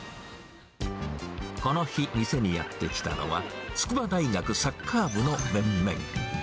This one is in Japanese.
この日、店にやって来たのは、筑波大学サッカー部の面々。